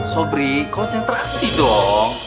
sobri konsentrasi dong